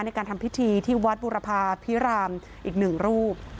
ในการทำพิธีที่วัดบุรพาพิรามอีกหนึ่งรูป